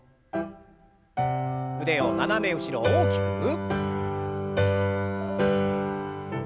腕を斜め後ろ大きく。